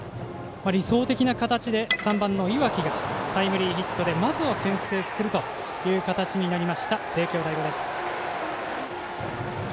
理想的な形で３番の岩来がタイムリーヒットで、まずは先制するという形になりました帝京第五です。